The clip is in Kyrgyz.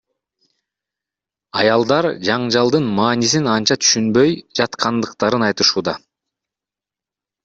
Аялдар жаңжалдын маанисин анча түшүнбөй жаткандыктарын айтышууда.